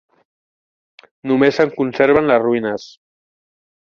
Només se'n conserven les ruïnes.